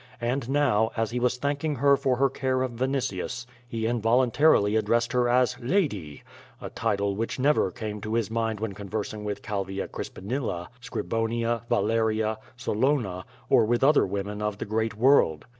And now, as he was thanking her for her care of Vinitius he involuntarily ad dressed her as "Lady" — a title which never came to his mind when conversing with Calvia Crispinilla, Scribonia, Valeria, Solona, or ^ith other women of the great world.